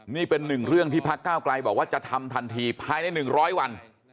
นี่เป็นหนึ่งเรื่องที่พักเก้าไกลบอกว่าจะทำทันทีภายใน๑๐๐วัน